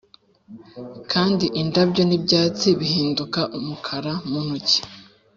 kandi indabyo n'ibyatsi bihinduka umukara mu ntoki